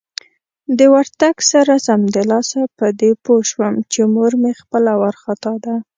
د ورتګ سره سمدلاسه په دې پوه شوم چې مور مې خپله وارخطا ده.